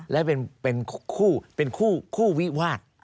และเป็นคู่วิวาส